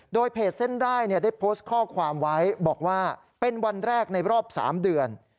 โดยเพจเส้นได้ได้โพสต์ข้อความไว้บอกว่าเป็นวันแรกในรอบ๓เดือน